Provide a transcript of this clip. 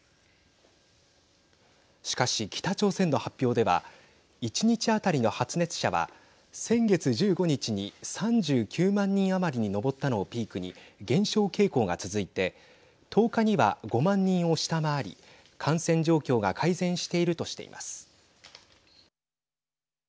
しかし、北朝鮮の発表では１日当たりの発熱者は先月１５日に３９万人余りに上ったのをピークに減少傾向が続いて１０日には５万人を下回り感染状況が改善してるとしています。